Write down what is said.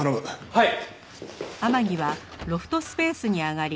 はい。